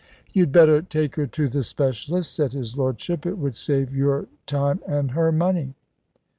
"You'd better take her to the specialists," said his lordship. "It would save your time and her money."